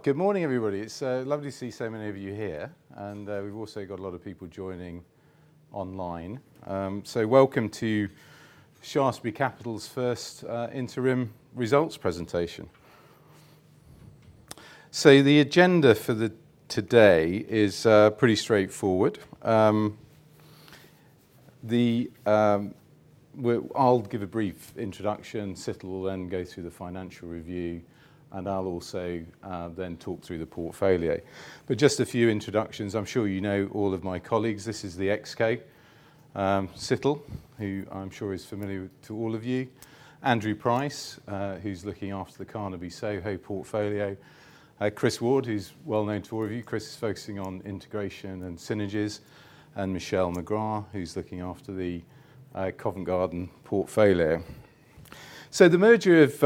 Well, good morning, everybody. It's lovely to see so many of you here, and we've also got a lot of people joining online. Welcome to Shaftesbury Capital's First Interim Results Presentation. The agenda for today is pretty straightforward. I'll give a brief introduction, Situl will then go through the financial review, and I'll also then talk through the portfolio. Just a few introductions. I'm sure you know all of my colleagues. This is the exco. Situl, who I'm sure is familiar to all of you, Andrew Price, who's looking after the Carnaby Soho portfolio, Chris Ward, who's well known to all of you, Chris is focusing on integration and synergies, and Michelle McGrath, who's looking after the Covent Garden portfolio. The merger of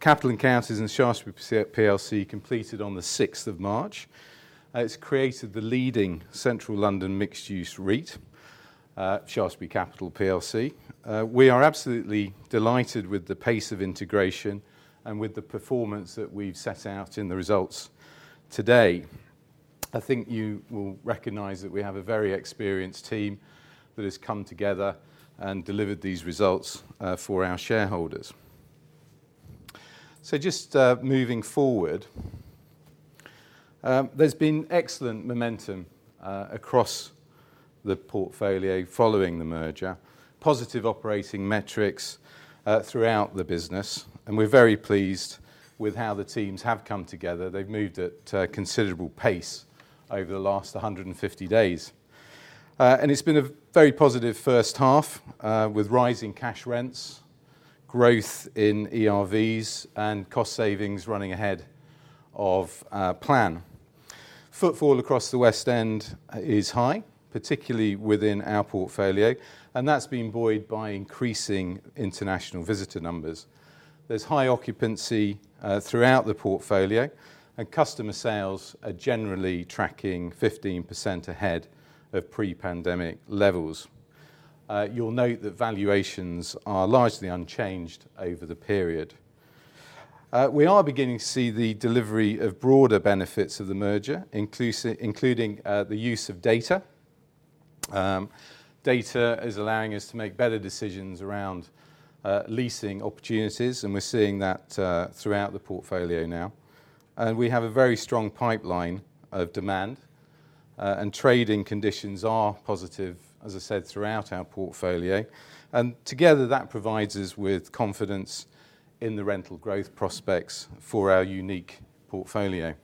Capital & Counties and Shaftesbury PLC completed on the sixth of March. It's created the leading Central London mixed-use REIT, Shaftesbury Capital PLC. We are absolutely delighted with the pace of integration and with the performance that we've set out in the results today. I think you will recognize that we have a very experienced team that has come together and delivered these results for our shareholders. Just moving forward. There's been excellent momentum across the portfolio following the merger, positive operating metrics throughout the business, and we're very pleased with how the teams have come together. They've moved at considerable pace over the last 150 days. And it's been a very positive first half with rising cash rents, growth in ERVs, and cost savings running ahead of plan. Footfall across the West End is high, particularly within our portfolio, and that's been buoyed by increasing international visitor numbers. There's high occupancy throughout the portfolio, and customer sales are generally tracking 15% ahead of pre-pandemic levels. You'll note that valuations are largely unchanged over the period. We are beginning to see the delivery of broader benefits of the merger, including the use of data. Data is allowing us to make better decisions around leasing opportunities, and we're seeing that throughout the portfolio now. We have a very strong pipeline of demand, and trading conditions are positive, as I said, throughout our portfolio. Together, that provides us with confidence in the rental growth prospects for our unique portfolio.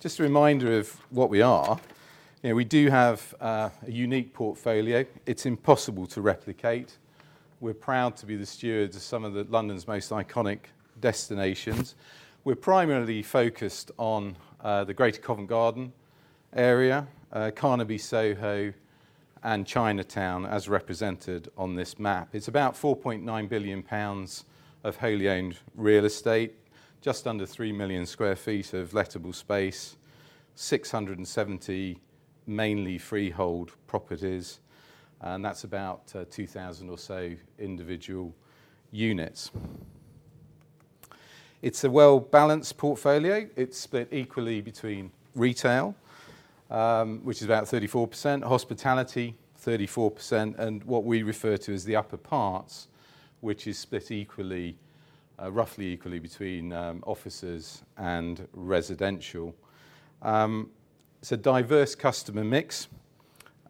Just a reminder of what we are. You know, we do have a unique portfolio. It's impossible to replicate. We're proud to be the stewards of some of the London's most iconic destinations. We're primarily focused on the Greater Covent Garden area, Carnaby, Soho, and Chinatown, as represented on this map. It's about £4.9 billion of wholly owned real estate, just under 3 million sq ft of lettable space, 670 mainly freehold properties, and that's about 2,000 or so individual units. It's a well-balanced portfolio. It's split equally between retail, which is about 34%, hospitality, 34%, and what we refer to as the upper parts, which is split equally, roughly equally between offices and residential. It's a diverse customer mix,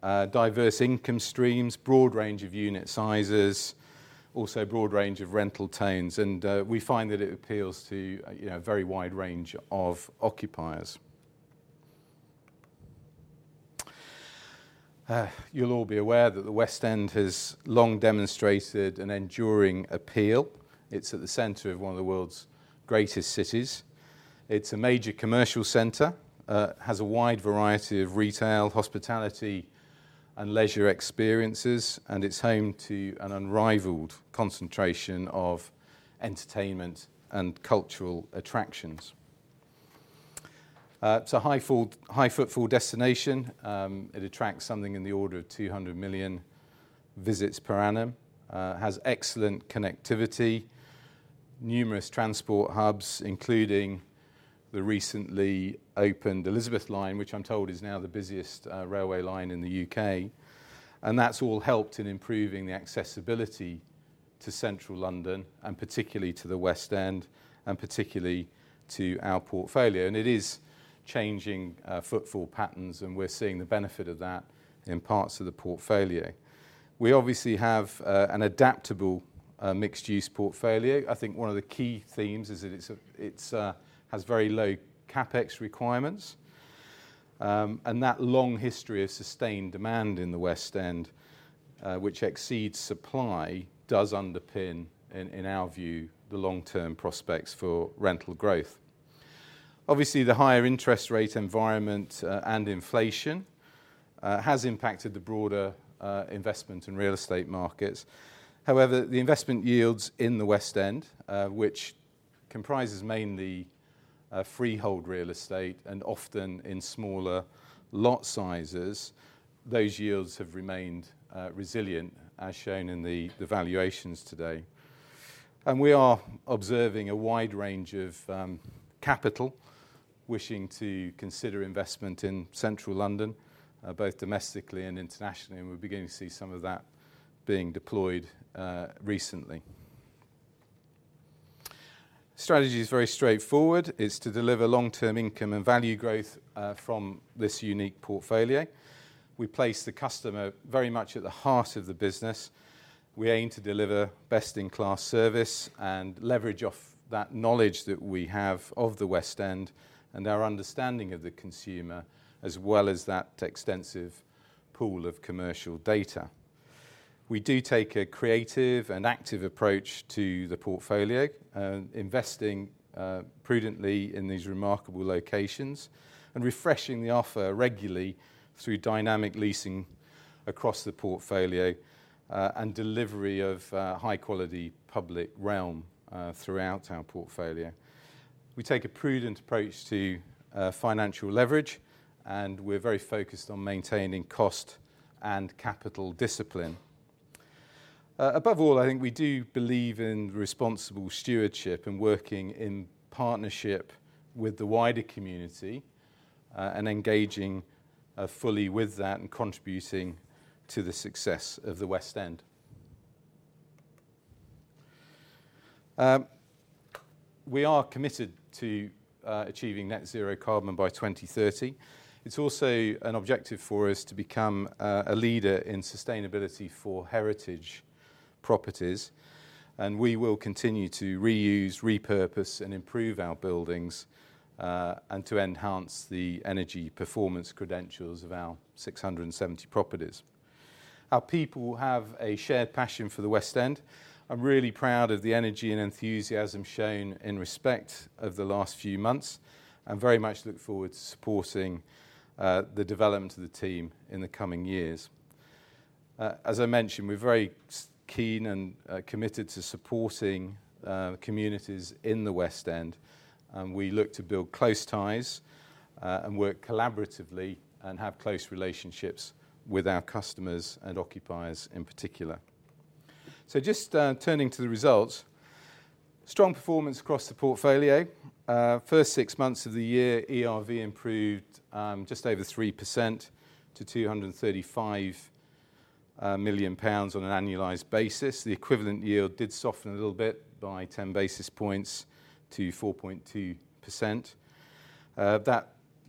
diverse income streams, broad range of unit sizes, also a broad range of rental tense, and we find that it appeals to, you know, a very wide range of occupiers. You'll all be aware that the West End has long demonstrated an enduring appeal. It's at the center of one of the world's greatest cities. It's a major commercial center, has a wide variety of retail, hospitality, and leisure experiences, and it's home to an unrivaled concentration of entertainment and cultural attractions. It's a high-footfall destination. It attracts something in the order of 200 million visits per annum, has excellent connectivity, numerous transport hubs, including the recently opened Elizabeth line, which I'm told is now the busiest railway line in the UK. That's all helped in improving the accessibility to Central London, and particularly to the West End, and particularly to our portfolio. It is changing footfall patterns, and we're seeing the benefit of that in parts of the portfolio. We obviously have an adaptable, mixed-use portfolio. I think one of the key themes is that it's, it's has very low CapEx requirements. That long history of sustained demand in the West End, which exceeds supply, does underpin in, in our view, the long-term prospects for rental growth. Obviously, the higher interest rate environment, and inflation, has impacted the broader investment in real estate markets. However, the investment yields in the West End, which comprises mainly freehold real estate and often in smaller lot sizes, those yields have remained resilient, as shown in the, the valuations today. We are observing a wide range of capital wishing to consider investment in Central London, both domestically and internationally, and we're beginning to see some of that being deployed recently. Strategy is very straightforward. It's to deliver long-term income and value growth from this unique portfolio. We place the customer very much at the heart of the business. We aim to deliver best-in-class service and leverage off that knowledge that we have of the West End and our understanding of the consumer, as well as that extensive pool of commercial data. We do take a creative and active approach to the portfolio, investing prudently in these remarkable locations and refreshing the offer regularly through dynamic leasing across the portfolio, and delivery of high-quality public realm throughout our portfolio. We take a prudent approach to financial leverage, and we're very focused on maintaining cost and capital discipline. Above all, I think we do believe in responsible stewardship and working in partnership with the wider community, and engaging fully with that and contributing to the success of the West End. We are committed to achieving net zero carbon by 2030. It's also an objective for us to become a leader in sustainability for heritage properties, and we will continue to reuse, repurpose, and improve our buildings, and to enhance the energy performance credentials of our 670 properties. Our people have a shared passion for the West End. I'm really proud of the energy and enthusiasm shown in respect of the last few months, and very much look forward to supporting the development of the team in the coming years. As I mentioned, we're very keen and committed to supporting communities in the West End, and we look to build close ties and work collaboratively and have close relationships with our customers and occupiers in particular. Just turning to the results, strong performance across the portfolio. First six months of the year, ERV improved just over 3% to £235 million on an annualized basis. The equivalent yield did soften a little bit by 10 basis points to 4.2%.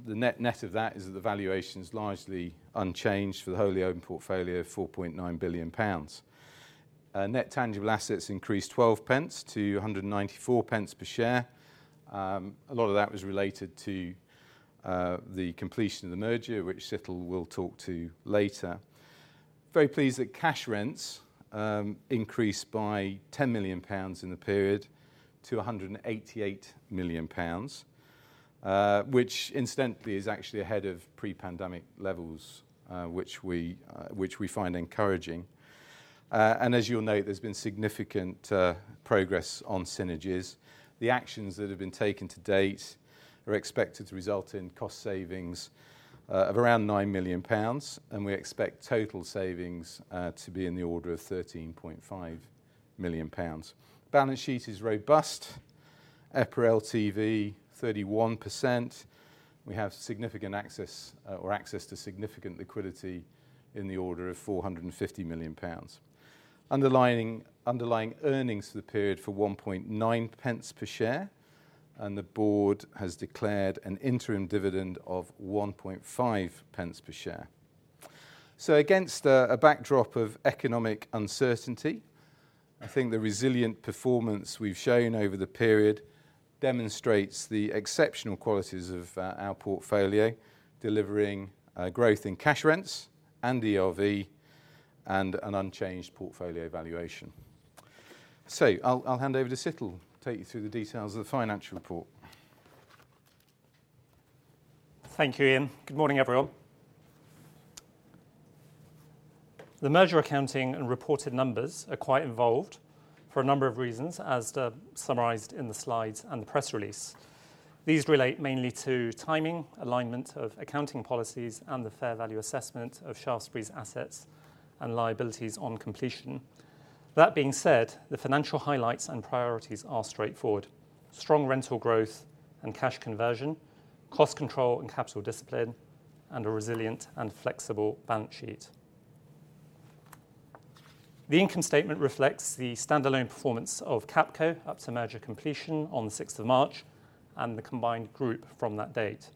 The net net of that is that the valuation is largely unchanged for the wholly owned portfolio of £4.9 billion. Net tangible assets increased 12 pence to 194 pence per share. A lot of that was related to the completion of the merger, which Situl will talk to later. Very pleased that cash rents increased by 10 million pounds in the period to 188 million pounds, which incidentally, is actually ahead of pre-pandemic levels, which we find encouraging. As you'll note, there's been significant progress on synergies. The actions that have been taken to date are expected to result in cost savings of around 9 million pounds, and we expect total savings to be in the order of 13.5 million pounds. Balance sheet is robust. EPRA LTV, 31%. We have significant access or access to significant liquidity in the order of 450 million pounds. Underlying earnings for the period for 1.9 pence per share. The board has declared an interim dividend of 1.5 pence per share. Against a backdrop of economic uncertainty, I think the resilient performance we've shown over the period demonstrates the exceptional qualities of our portfolio, delivering growth in cash rents and ERV and an unchanged portfolio valuation. I'll hand over to Situl to take you through the details of the financial report. Thank you, Ian. Good morning, everyone. The merger accounting and reported numbers are quite involved for a number of reasons, as summarized in the slides and the press release. These relate mainly to timing, alignment of accounting policies, and the fair value assessment of Shaftesbury's assets and liabilities on completion. That being said, the financial highlights and priorities are straightforward: strong rental growth and cash conversion, cost control and capital discipline, and a resilient and flexible balance sheet. The income statement reflects the standalone performance of Capco up to merger completion on the sixth of March and the combined group from that date.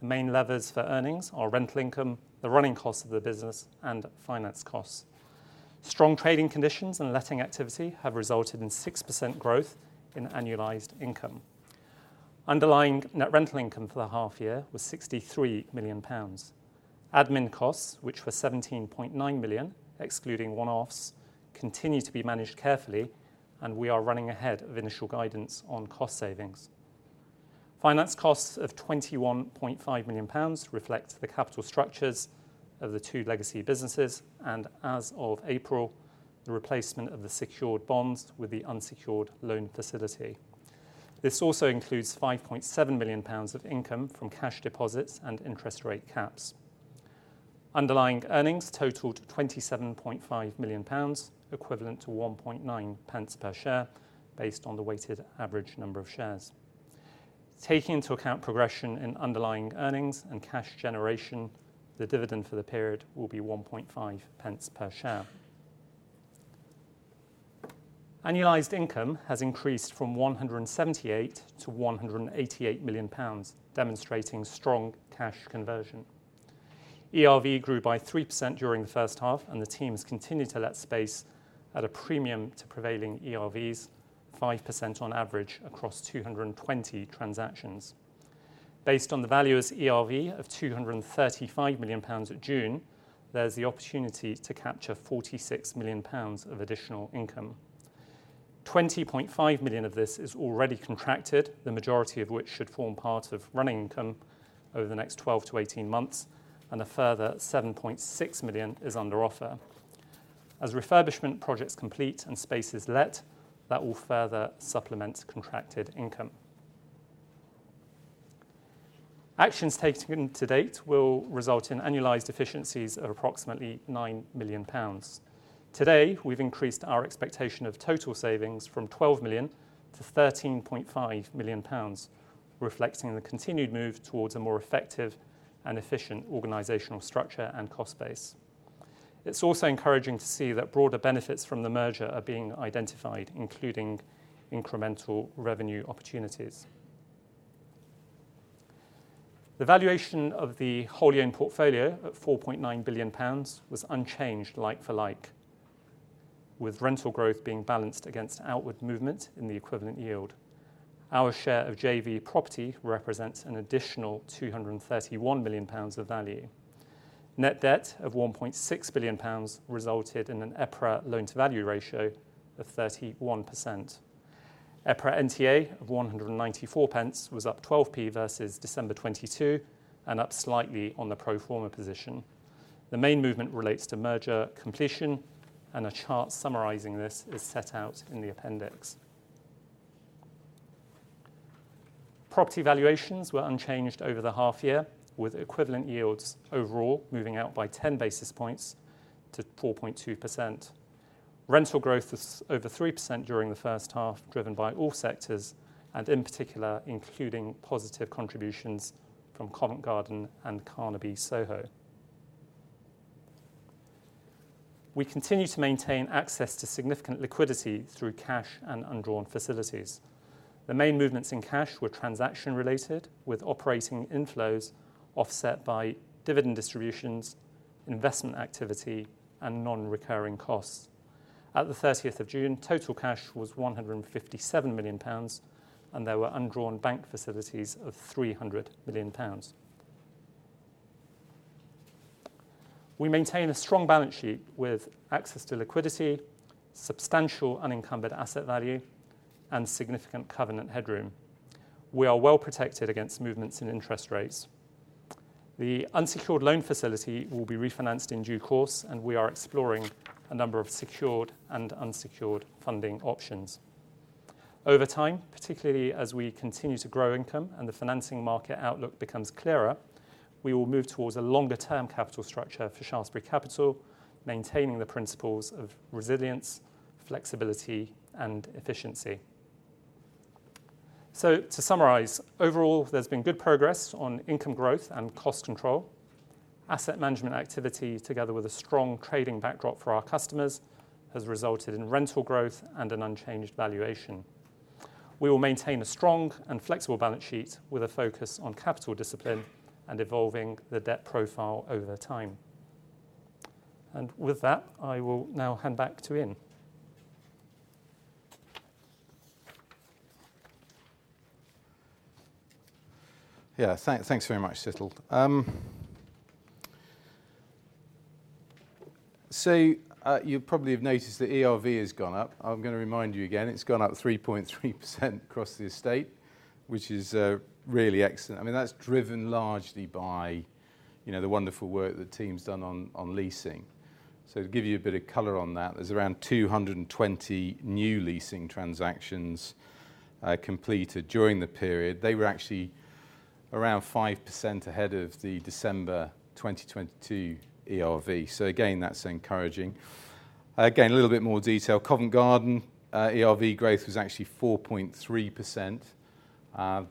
The main levers for earnings are rental income, the running costs of the business, and finance costs. Strong trading conditions and letting activity have resulted in 6% growth in annualized income. Underlying net rental income for the half year was £63 million. Admin costs, which were £17.9 million, excluding one-offs, continue to be managed carefully. We are running ahead of initial guidance on cost savings. Finance costs of £21.5 million reflect the capital structures of the two legacy businesses and, as of April, the replacement of the secured bonds with the unsecured loan facility. This also includes £5.7 million of income from cash deposits and interest rate caps. Underlying earnings totaled £27.5 million, equivalent to 1.9 pence per share, based on the weighted average number of shares. Taking into account progression in underlying earnings and cash generation, the dividend for the period will be 1.5 pence per share. Annualized income has increased from £178 million to £188 million, demonstrating strong cash conversion. ERV grew by 3% during the first half. The teams continued to let space at a premium to prevailing ERVs, 5% on average across 220 transactions. Based on the value as ERV of £235 million at June, there's the opportunity to capture £46 million of additional income. £20.5 million of this is already contracted, the majority of which should form part of running income over the next 12 to 18 months, and a further £7.6 million is under offer. As refurbishment projects complete and space is let, that will further supplement contracted income. Actions taken to date will result in annualized efficiencies of approximately £9 million. Today, we've increased our expectation of total savings from 12 million to 13.5 million pounds, reflecting the continued move towards a more effective and efficient organizational structure and cost base. It's also encouraging to see that broader benefits from the merger are being identified, including incremental revenue opportunities. The valuation of the wholly owned portfolio at 4.9 billion pounds was unchanged like for like, with rental growth being balanced against outward movement in the equivalent yield. Our share of JV property represents an additional 231 million pounds of value. Net debt of 1.6 billion pounds resulted in an EPRA Loan-to-Value ratio of 31%. EPRA NTA of 194 pence was up 12p versus December 2022 and up slightly on the pro forma position. The main movement relates to merger completion. A chart summarizing this is set out in the appendix. Property valuations were unchanged over the half year, with equivalent yields overall moving out by 10 basis points to 4.2%. Rental growth was over 3% during the first half, driven by all sectors and, in particular, including positive contributions from Covent Garden and Carnaby Soho. We continue to maintain access to significant liquidity through cash and undrawn facilities. The main movements in cash were transaction related, with operating inflows offset by dividend distributions, investment activity, and non-recurring costs. At 30 June, total cash was £157 million. There were undrawn bank facilities of £300 million. We maintain a strong balance sheet with access to liquidity, substantial unencumbered asset value, and significant covenant headroom. We are well protected against movements in interest rates. The unsecured loan facility will be refinanced in due course, and we are exploring a number of secured and unsecured funding options. Over time, particularly as we continue to grow income and the financing market outlook becomes clearer, we will move towards a longer-term capital structure for Shaftesbury Capital, maintaining the principles of resilience, flexibility, and efficiency. To summarize, overall, there's been good progress on income growth and cost control. Asset management activity, together with a strong trading backdrop for our customers, has resulted in rental growth and an unchanged valuation. We will maintain a strong and flexible balance sheet with a focus on capital discipline and evolving the debt profile over time. With that, I will now hand back to Ian. Yeah, thanks very much, Situl. You probably have noticed that ERV has gone up. I'm gonna remind you again, it's gone up 3.3% across the estate, which is really excellent. I mean, that's driven largely by, you know, the wonderful work the team's done on leasing. To give you a bit of color on that, there's around 220 new leasing transactions completed during the period. They were actually around 5% ahead of the December 2022 ERV. Again, that's encouraging. Again, a little bit more detail. Covent Garden ERV growth was actually 4.3%.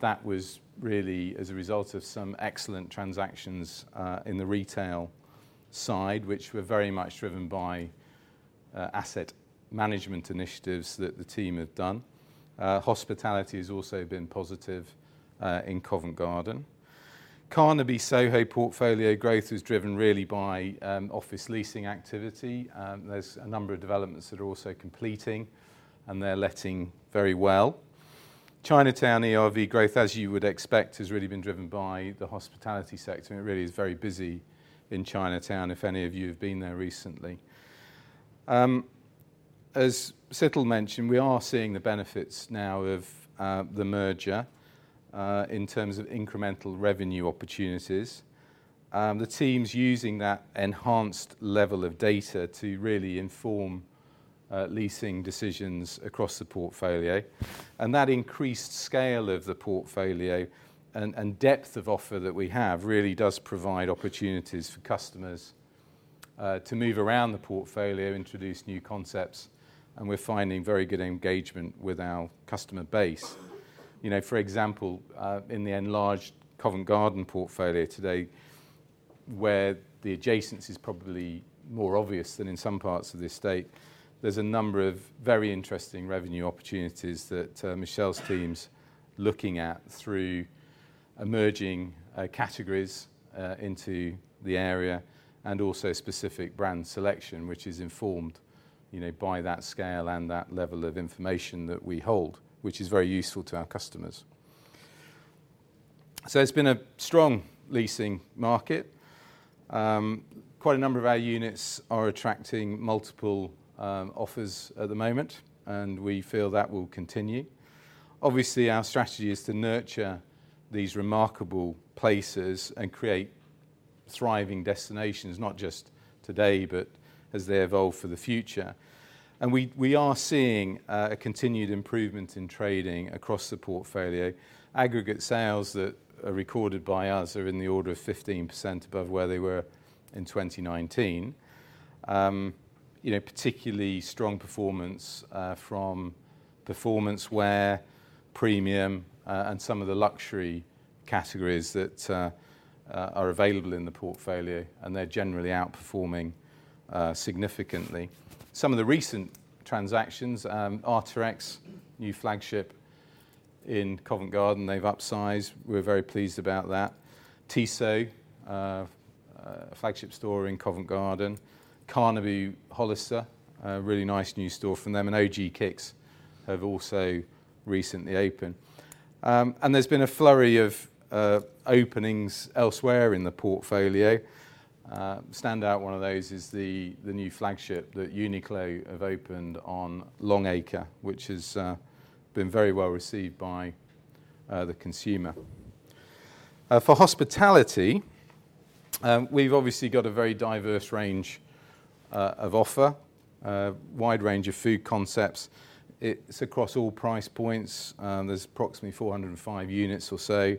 That was really as a result of some excellent transactions in the retail side, which were very much driven by asset management initiatives that the team have done. Hospitality has also been positive in Covent Garden. Carnaby Soho portfolio growth is driven really by office leasing activity. There's a number of developments that are also completing, and they're letting very well. Chinatown ERV growth, as you would expect, has really been driven by the hospitality sector, and it really is very busy in Chinatown, if any of you have been there recently. As Situl mentioned, we are seeing the benefits now of the merger in terms of incremental revenue opportunities. The team's using that enhanced level of data to really inform leasing decisions across the portfolio. And that increased scale of the portfolio and, and depth of offer that we have, really does provide opportunities for customers to move around the portfolio, introduce new concepts, and we're finding very good engagement with our customer base. You know, for example, in the enlarged Covent Garden portfolio today, where the adjacence is probably more obvious than in some parts of the estate, there's a number of very interesting revenue opportunities that Michelle's team's looking at through emerging categories into the area, and also specific brand selection, which is informed, you know, by that scale and that level of information that we hold, which is very useful to our customers. It's been a strong leasing market. Quite a number of our units are attracting multiple offers at the moment, and we feel that will continue. Obviously, our strategy is to nurture these remarkable places and create thriving destinations, not just today, but as they evolve for the future. We, we are seeing a continued improvement in trading across the portfolio. Aggregate sales that are recorded by us are in the order of 15% above where they were in 2019. You know, particularly strong performance from performance where premium and some of the luxury categories that are available in the portfolio, they're generally outperforming significantly. Some of the recent transactions, Arc'teryx, new flagship in Covent Garden, they've upsized. We're very pleased about that. Tissot, flagship store in Covent Garden, Carnaby Hollister, a really nice new store from them, OG Kicks have also recently opened. There's been a flurry of openings elsewhere in the portfolio. Stand out one of those is the, the new flagship that UNIQLO have opened on Long Acre, which has been very well received by the consumer. For hospitality, we've obviously got a very diverse range of offer, a wide range of food concepts. It's across all price points, there's approximately 405 units or so,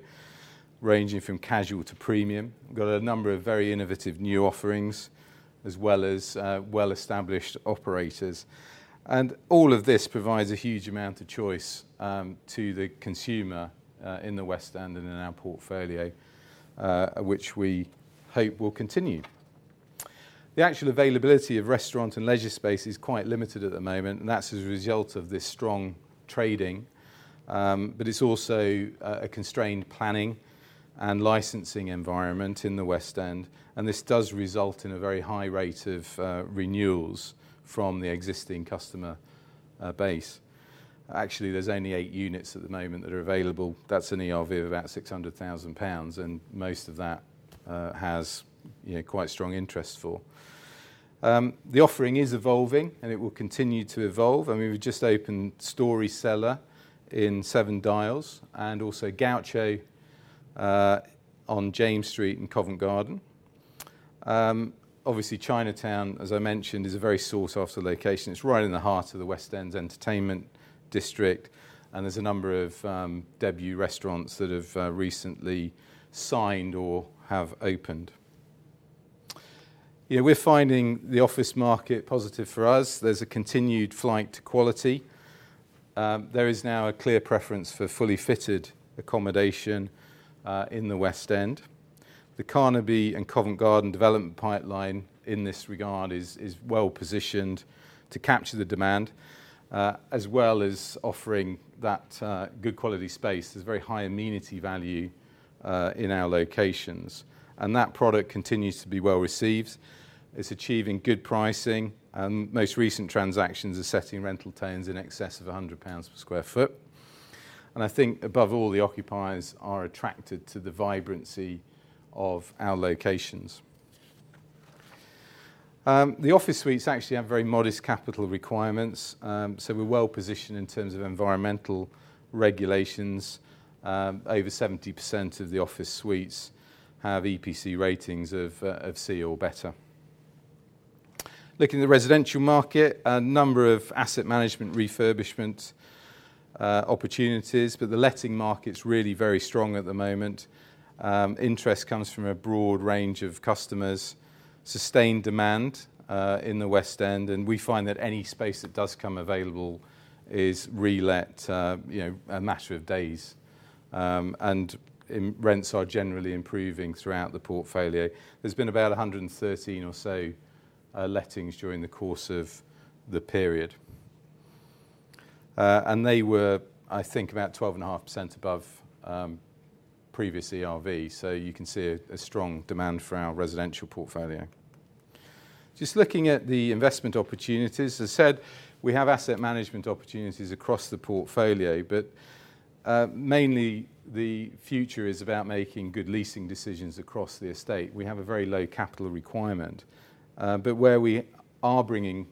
ranging from casual to premium. We've got a number of very innovative new offerings, as well as well-established operators. All of this provides a huge amount of choice to the consumer in the West End and in our portfolio, which we hope will continue. The actual availability of restaurant and leisure space is quite limited at the moment, and that's as a result of this strong trading. It's also a constrained planning and licensing environment in the West End, and this does result in a very high rate of renewals from the existing customer base. Actually, there's only eight units at the moment that are available. That's an ERV of about £600,000, and most of that has, you know, quite strong interest for. The offering is evolving, and it will continue to evolve, and we've just opened Story Cellar in Seven Dials, and also Gaucho on James Street in Covent Garden. Obviously, Chinatown, as I mentioned, is a very sought-after location. It's right in the heart of the West End's entertainment district, and there's a number of debut restaurants that have recently signed or have opened. Yeah, we're finding the office market positive for us. There's a continued flight to quality. There is now a clear preference for fully fitted accommodation in the West End. The Carnaby and Covent Garden development pipeline in this regard is, is well positioned to capture the demand, as well as offering that good quality space. There's very high amenity value in our locations, and that product continues to be well received. It's achieving good pricing, and most recent transactions are setting rental terms in excess of £100 per sq ft. I think, above all, the occupiers are attracted to the vibrancy of our locations. The office suites actually have very modest capital requirements, so we're well positioned in terms of environmental regulations. Over 70% of the office suites have EPC ratings of C or better. Looking at the residential market, a number of asset management refurbishment opportunities, but the letting market is really very strong at the moment. Interest comes from a broad range of customers, sustained demand in the West End, we find that any space that does come available is re-let, you know, a matter of days. Rents are generally improving throughout the portfolio. There's been about 113 or so lettings during the course of the period. They were, I think, about 12.5% above previous ERV, so you can see a strong demand for our residential portfolio. Just looking at the investment opportunities, as I said, we have asset management opportunities across the portfolio, but mainly the future is about making good leasing decisions across the estate. We have a very low capital requirement, but where we are bringing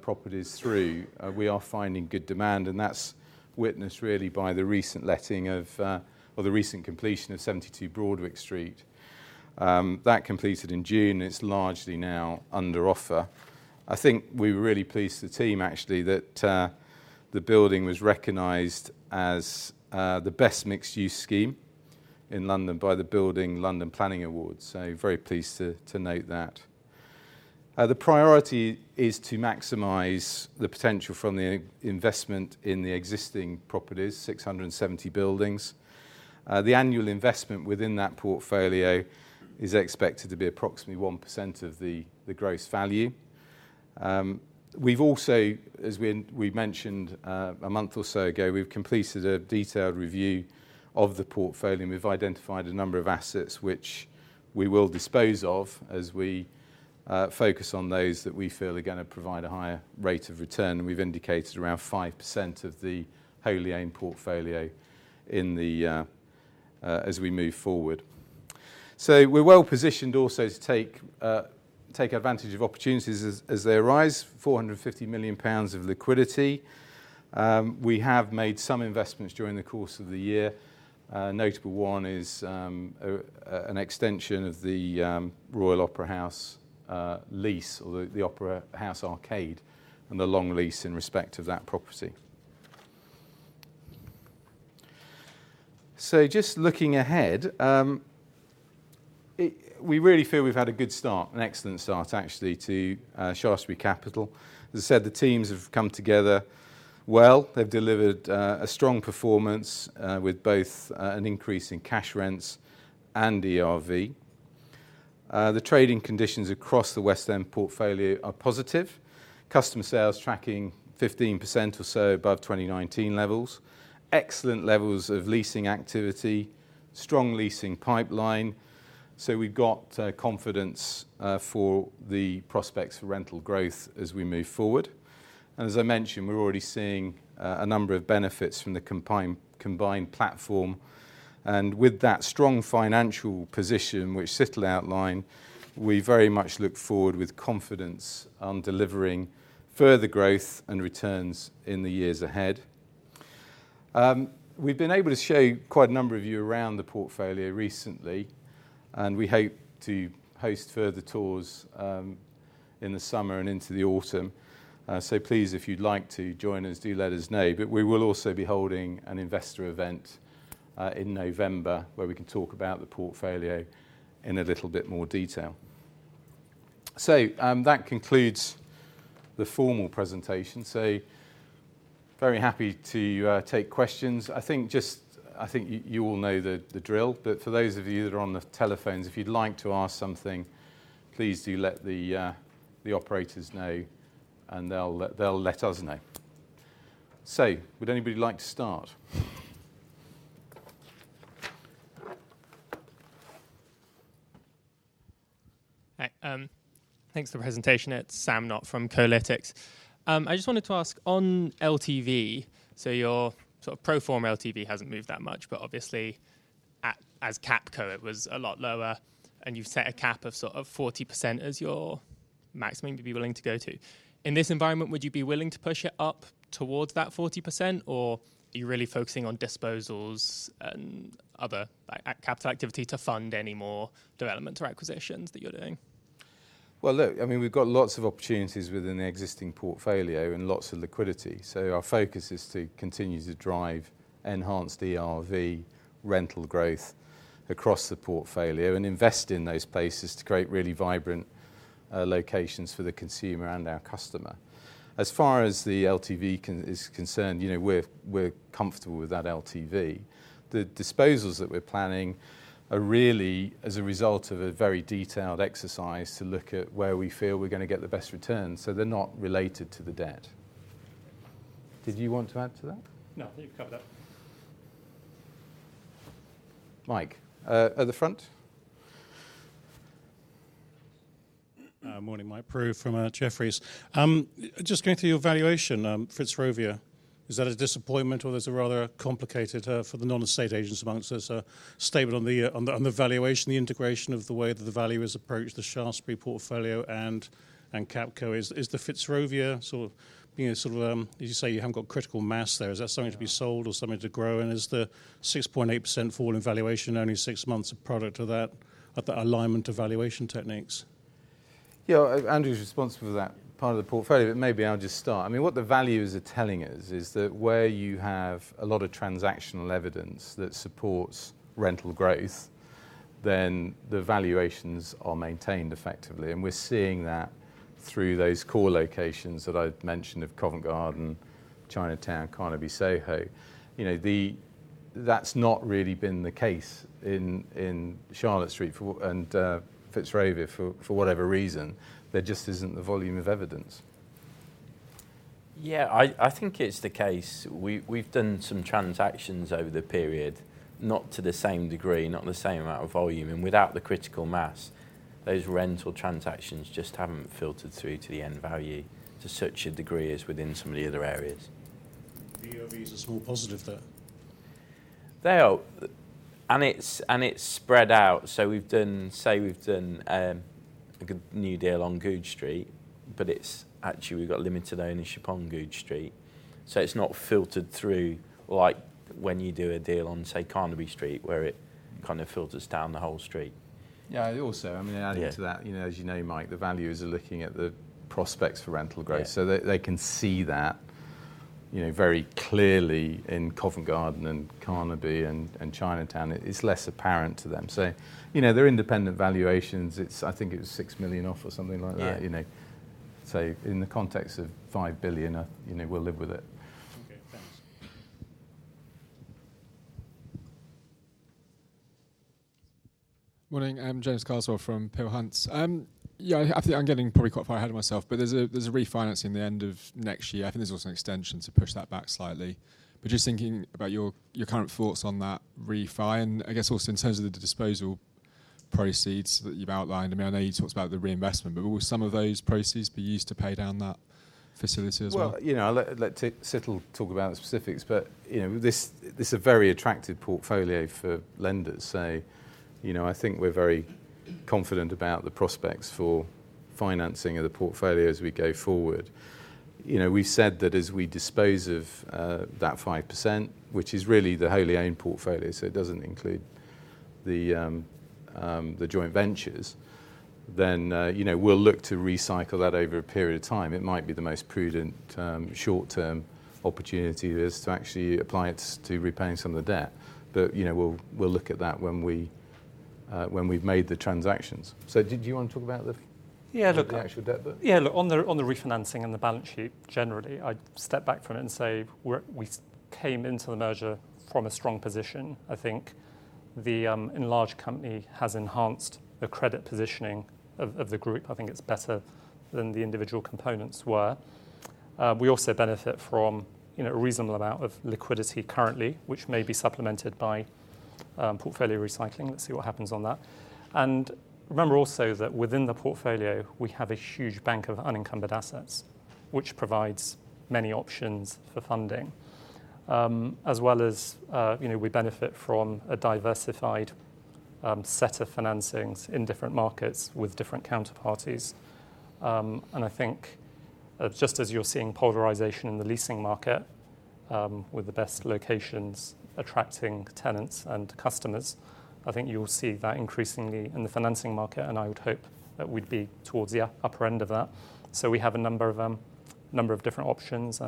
properties through, we are finding good demand, and that's witnessed really by the recent letting of or the recent completion of 72 Broadwick Street. That completed in June, and it's largely now under offer. I think we were really pleased, the team actually, that the building was recognized as the best mixed-use scheme in London by the Building London Planning Awards, so very pleased to note that. The priority is to maximize the potential from the investment in the existing properties, 670 buildings. The annual investment within that portfolio is expected to be approximately 1% of the gross value. We've also, as we, we mentioned, a month or so ago, we've completed a detailed review of the portfolio, and we've identified a number of assets which we will dispose of as we, focus on those that we feel are gonna provide a higher rate of return. We've indicated around 5% of the wholly owned portfolio in the, as we move forward. We're well-positioned also to take, take advantage of opportunities as, as they arise, £450 million of liquidity. We have made some investments during the course of the year. A notable one is, a, an extension of the, Royal Opera House, lease, or the, the Opera House Arcade, and the long lease in respect of that property. Just looking ahead, we really feel we've had a good start, an excellent start, actually, to Shaftesbury Capital. As I said, the teams have come together well. They've delivered a strong performance with both an increase in cash rents and ERV. The trading conditions across the West End portfolio are positive. Customer sales tracking 15% or so above 2019 levels. Excellent levels of leasing activity, strong leasing pipeline, so we've got confidence for the prospects for rental growth as we move forward. As I mentioned, we're already seeing a number of benefits from the combined platform, and with that strong financial position, which Situl will outline, we very much look forward with confidence on delivering further growth and returns in the years ahead. We've been able to show quite a number of you around the portfolio recently, and we hope to host further tours in the summer and into the autumn. Please, if you'd like to join us, do let us know. We will also be holding an investor event in November, where we can talk about the portfolio in a little bit more detail. That concludes the formal presentation, so very happy to take questions. I think you all know the drill, but for those of you that are on the telephones, if you'd like to ask something, please do let the operators know, and they'll let us know. Would anybody like to start? Hi, thanks for the presentation. It's Sam Knott from Kolytics. I just wanted to ask, on LTV, so your sort of pro forma LTV hasn't moved that much, but obviously, at, as Capco, it was a lot lower, and you've set a cap of sort of 40% as your maximum you'd be willing to go to. In this environment, would you be willing to push it up towards that 40%, or are you really focusing on disposals and other, like, capital activity to fund any more development or acquisitions that you're doing? Well, look, I mean, we've got lots of opportunities within the existing portfolio and lots of liquidity, our focus is to continue to drive enhanced ERV rental growth across the portfolio and invest in those places to create really vibrant locations for the consumer and our customer. As far as the LTV is concerned, you know, we're, we're comfortable with that LTV. The disposals that we're planning are really as a result of a very detailed exercise to look at where we feel we're gonna get the best return, so they're not related to the debt. Did you want to add to that? No, you've covered that. Mike, at the front. Morning, Mike Prew from Jefferies. Just going through your valuation, Fitzrovia, is that a disappointment, or there's a rather complicated for the non-estate agents amongst us statement on the on the on the valuation, the integration of the way that the valuers approached the Shaftesbury portfolio and Capco. Is, is the Fitzrovia sort of, you know, sort of, as you say, you haven't got critical mass there. Yeah. Is that something to be sold or something to grow, and is the 6.8% fall in valuation only 6 months a product of that, of that alignment of valuation techniques? Yeah, Andrew's responsible for that part of the portfolio, but maybe I'll just start. I mean, what the values are telling us is that where you have a lot of transactional evidence that supports rental growth, then the valuations are maintained effectively, and we're seeing that through those core locations that I've mentioned of Covent Garden, Chinatown, Carnaby, Soho. You know, that's not really been the case in, in Charlotte Street for, and Fitzrovia, for, for whatever reason. There just isn't the volume of evidence. Yeah, I think it's the case. We've done some transactions over the period, not to the same degree, not the same amount of volume. Without the critical mass, those rental transactions just haven't filtered through to the end value to such a degree as within some of the other areas. The ERV is a small positive, though? They are, and it's, and it's spread out. We've done, say we've done, a good new deal on Goodge Street, but it's actually we've got limited ownership on Goodge Street, so it's not filtered through, like when you do a deal on, say, Carnaby Street, where it kind of filters down the whole street. Yeah, also, I mean, adding to that- Yeah... you know, as you know, Mike, the valuers are looking at the prospects for rental growth. Yeah. They, they can see that, you know, very clearly in Covent Garden and Carnaby and, and Chinatown. It's less apparent to them. You know, their independent valuations, I think it was 6 million off or something like that. Yeah. You know, in the context of 5 billion, you know, we'll live with it. Okay, thanks. Morning, I'm James Carswell from Peel Hunt. Yeah, I think I'm getting probably quite far ahead of myself, but there's a refinancing the end of next year. I think there's also an extension to push that back slightly. Just thinking about your current thoughts on that refi, and I guess also in terms of the disposal proceeds that you've outlined. I mean, I know you talked about the reinvestment, but will some of those proceeds be used to pay down that facility as well? Well, you know, I'll let, let Situl talk about the specifics, but, you know, this, this a very attractive portfolio for lenders. You know, I think we're very confident about the prospects for financing of the portfolio as we go forward. You know, we said that as we dispose of that 5%, which is really the wholly owned portfolio, so it doesn't include the joint ventures, then, you know, we'll look to recycle that over a period of time. It might be the most prudent short-term opportunity is to actually apply it to repaying some of the debt. You know, we'll, we'll look at that when we, when we've made the transactions. Did you want to talk about the- Yeah. The actual debt then? Yeah, look, on the, on the refinancing and the balance sheet, generally, I'd step back from it and say, we came into the merger from a strong position. I think the enlarged company has enhanced the credit positioning of, of the group. I think it's better than the individual components were. We also benefit from, you know, a reasonable amount of liquidity currently, which may be supplemented by portfolio recycling. Let's see what happens on that. Remember also that within the portfolio, we have a huge bank of unencumbered assets, which provides many options for funding. As well as, you know, we benefit from a diversified set of financings in different markets with different counterparties. I think, just as you're seeing polarization in the leasing market, with the best locations attracting tenants and customers, I think you will see that increasingly in the financing market, and I would hope that we'd be towards the upper end of that. We have a number of, number of different options, we,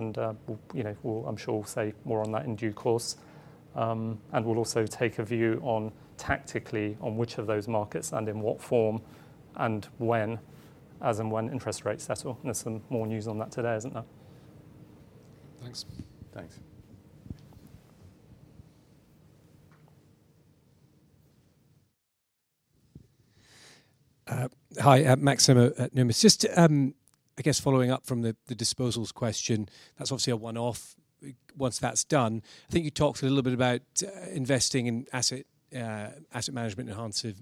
you know, we'll, I'm sure we'll say more on that in due course. We'll also take a view on, tactically, on which of those markets and in what form and when, as in when interest rates settle. There's some more news on that today, isn't there? Thanks. Thanks. Hi, Max Nimmo at Numis. Just, I guess following up from the, the disposals question, that's obviously a one-off. Once that's done, I think you talked a little bit about investing in asset, asset management enhancing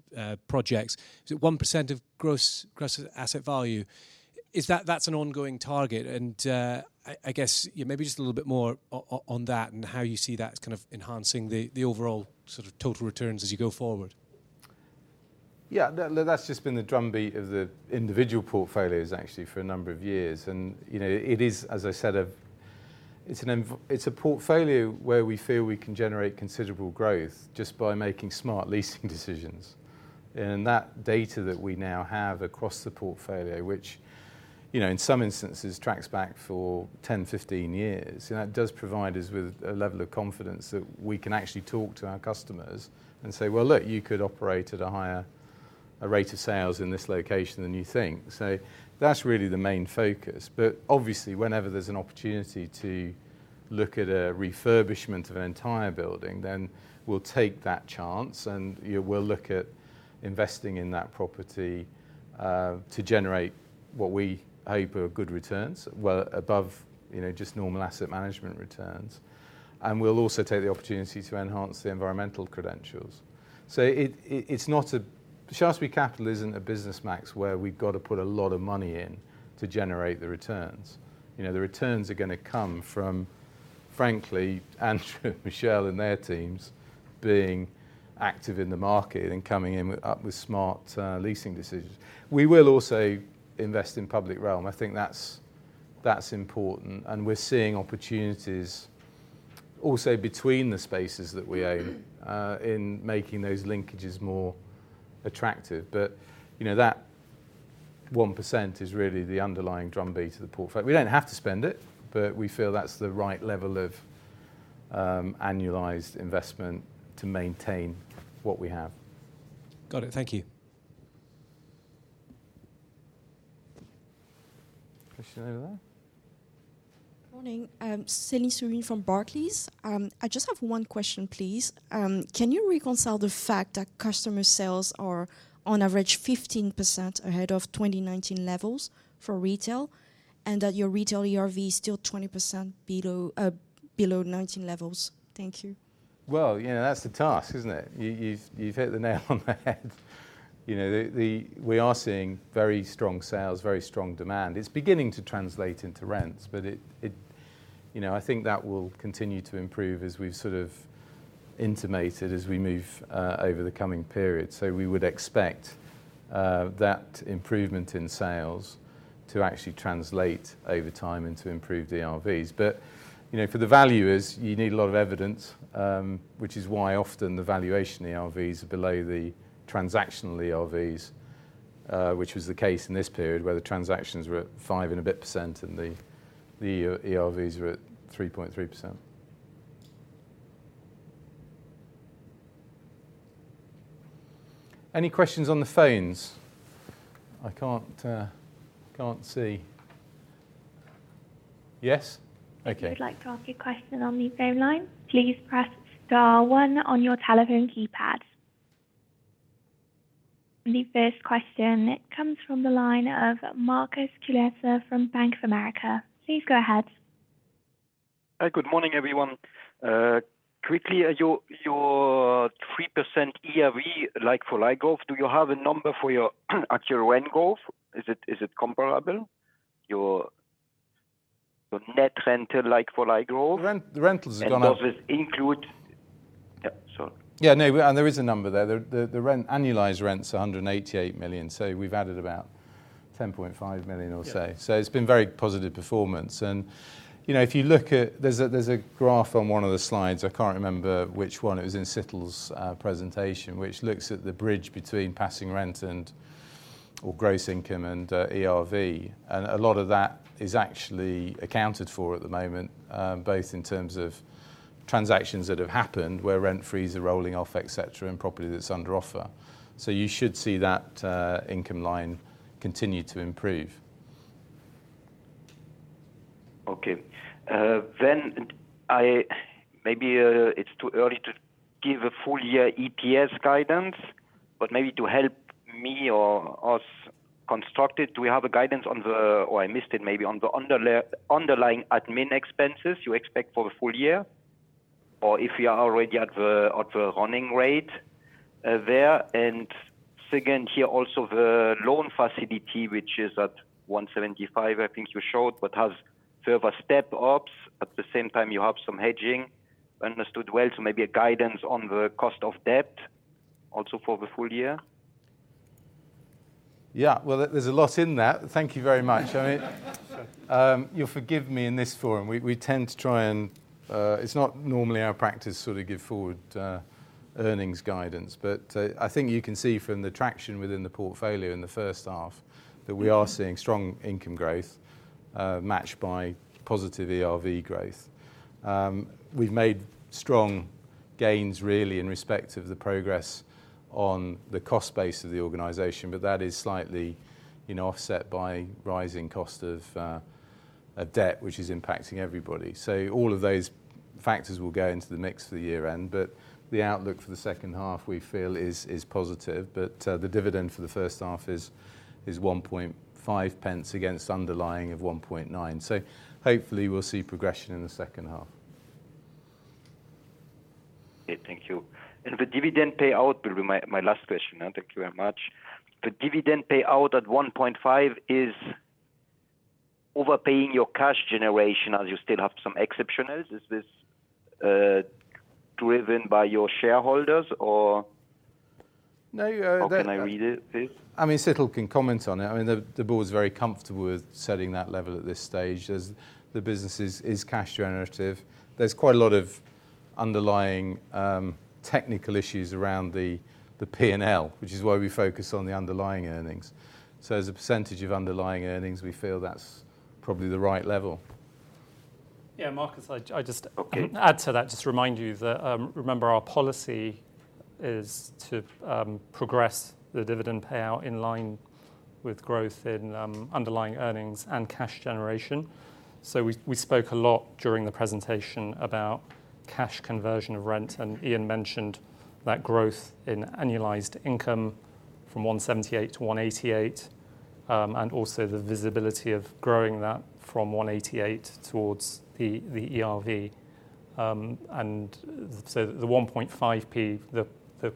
projects. Is it 1% of gross, gross asset value? Is that... That's an ongoing target, and I, I guess, yeah, maybe just a little bit more on that and how you see that kind of enhancing the, the overall sort of total returns as you go forward. Yeah, that, that's just been the drumbeat of the individual portfolios, actually, for a number of years. You know, it is, as I said, it's a portfolio where we feel we can generate considerable growth just by making smart leasing decisions. That data that we now have across the portfolio, which, you know, in some instances, tracks back for 10, 15 years, and that does provide us with a level of confidence that we can actually talk to our customers and say, "Well, look, you could operate at a higher rate of sales in this location than you think." That's really the main focus. Obviously, whenever there's an opportunity to look at a refurbishment of an entire building, then we'll take that chance, and, yeah, we'll look at investing in that property, to generate what we hope are good returns, well above, you know, just normal asset management returns. We'll also take the opportunity to enhance the environmental credentials. It's not a Shaftesbury Capital business, Max, where we've got to put a lot of money in to generate the returns. You know, the returns are going to come from, frankly, Andrew, Michelle, and their teams being active in the market and coming up with smart, leasing decisions. We will also invest in public realm. I think that's, that's important, and we're seeing opportunities also between the spaces that we own, in making those linkages more attractive. You know, that 1% is really the underlying drumbeat of the portfolio. We don't have to spend it, but we feel that's the right level of annualized investment to maintain what we have. Got it. Thank you. Question over there? Morning. Celine Surine from Barclays. I just have one question, please. Can you reconcile the fact that customer sales are on average 15% ahead of 2019 levels for retail, and that your retail ERV is still 20% below, below 2019 levels? Thank you. Well, you know, that's the task, isn't it? You've hit the nail on the head. You know, we are seeing very strong sales, very strong demand. It's beginning to translate into rents, but You know, I think that will continue to improve, as we've sort of intimated, as we move over the coming period. We would expect that improvement in sales to actually translate over time into improved ERVs. You know, for the valuers, you need a lot of evidence, which is why often the valuation ERVs are below the transactional ERVs. Which was the case in this period, where the transactions were at five and a bit%, and the ERVs were at 3.3%. Any questions on the phones? I can't, I can't see. Yes? Okay. If you'd like to ask a question on the phone line, please press star one on your telephone keypad. The first question, it comes from the line of Markus Kulessa from Bank of America. Please go ahead. Hi. Good morning, everyone. quickly, your, your 3% ERV like-for-like growth, do you have a number for your actual rent growth? Is it, is it comparable? Your, your net rental like-for-like growth- The rent, the rental's has gone up. Does this include. Yeah, sorry. Yeah, no, there is a number there. The rent, annualized rent's £188 million, so we've added about £10.5 million or so. Yeah. It's been very positive performance. You know, if you look at... There's a graph on one of the slides, I can't remember which one. It was in Situl's presentation, which looks at the bridge between passing rent and, or gross income and ERV. A lot of that is actually accounted for at the moment, both in terms of transactions that have happened, where rent frees are rolling off, et cetera, and property that's under offer. You should see that income line continue to improve. Okay. I- maybe, it's too early to give a full year EPS guidance, but maybe to help me or us construct it, do we have a guidance on the, or I missed it maybe, on the underlying admin expenses you expect for the full year? Or if you are already at the, at the running rate, there? Second, here, also the loan facility, which is at 175, I think you showed, but has further step-ups. At the same time, you have some hedging. Understood well, maybe a guidance on the cost of debt, also for the full year. Yeah, well, there, there's a lot in that. Thank you very much. I mean, you'll forgive me in this forum. We, we tend to try and. It's not normally our practice to sort of give forward earnings guidance. I think you can see from the traction within the portfolio in the first half, that we are seeing strong income growth, matched by positive ERV growth. We've made strong gains, really, in respect of the progress on the cost base of the organization, but that is slightly, you know, offset by rising cost of a debt, which is impacting everybody. All of those factors will go into the mix for the year-end, but the outlook for the second half, we feel is, is positive. The dividend for the first half is, is 1.5 pence against underlying of 1.9. Hopefully, we'll see progression in the second half. Okay, thank you. The dividend payout will be my, my last question, and thank you very much. The dividend payout at 1.5 is overpaying your cash generation, as you still have some exceptionals. Is this driven by your shareholders, or- No. How can I read it, please? I mean, Situl can comment on it. I mean, the, the board's very comfortable with setting that level at this stage, as the business is, is cash generative. There's quite a lot of underlying technical issues around the, the P&L, which is why we focus on the underlying earnings. As a percentage of underlying earnings, we feel that's probably the right level. Yeah, Marcus, I. Okay. -add to that, just to remind you that, remember, our policy is to, progress the dividend payout in line with growth in, underlying earnings and cash generation. We, we spoke a lot during the presentation about cash conversion of rent, and Ian mentioned that growth in annualized income from £178 million to £188 million, and also the visibility of growing that from £188 million towards the ERV. And so the 1.5 pence per share, the, the,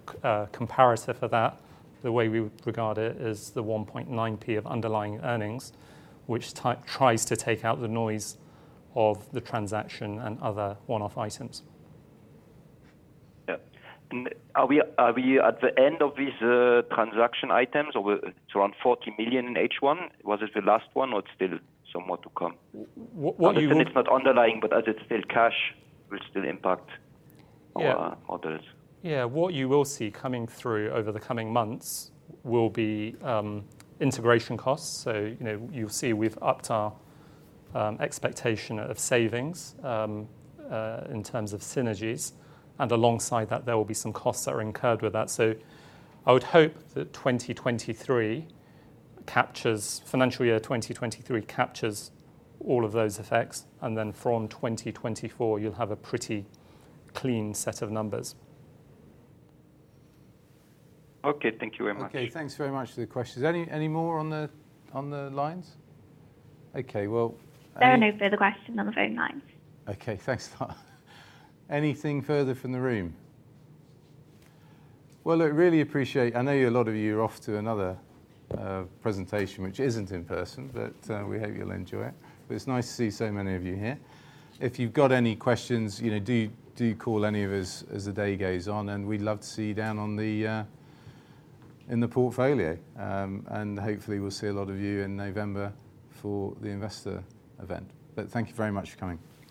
comparator for that, the way we would regard it, is the 1.9 pence per share of underlying earnings, which tries to take out the noise of the transaction and other one-off items. Yeah. Are we, are we at the end of these, transaction items, or it's around 40 million in H1? Was it the last one, or it's still some more to come? What you- Obviously, it's not underlying, as it's still cash, will still impact- Yeah... our models. Yeah. What you will see coming through over the coming months will be, integration costs. You know, you'll see we've upped our, expectation of savings, in terms of synergies, and alongside that, there will be some costs that are incurred with that. I would hope that 2023 captures, financial year 2023, captures all of those effects, from 2024, you'll have a pretty clean set of numbers. Okay. Thank you very much. Okay, thanks very much for the questions. Any, any more on the, on the lines? Okay, well. There are no further questions on the phone lines. Okay, thanks for that. Anything further from the room? Well, look, really appreciate... I know a lot of you are off to another presentation, which isn't in person, but we hope you'll enjoy it. It's nice to see so many of you here. If you've got any questions, you know, do, do call any of us as the day goes on, and we'd love to see you down on the in the portfolio. Hopefully, we'll see a lot of you in November for the investor event. Thank you very much for coming.